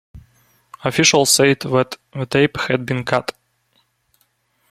Officials said that the tape had been cut.